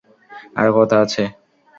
আরো কথা আছে।